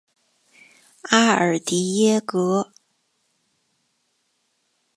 阿尔迪耶格。